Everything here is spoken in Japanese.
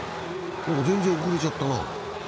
全然遅れちゃったな。